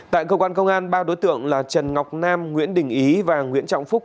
tại công an công an ba đối tượng là trần ngọc nam nguyễn đình ý và nguyễn trọng phúc